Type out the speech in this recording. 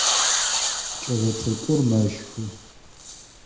Кӏэлэцӏыкӏур мэщхы.